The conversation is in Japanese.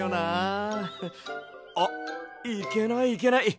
あっいけないいけない。